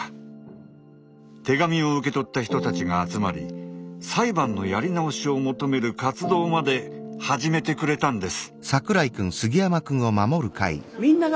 手紙を受け取った人たちが集まり裁判のやり直しを求める活動まで始めてくれたんです。